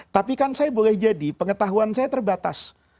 tapi kan saya boleh jadi pengetahuan saya terbatas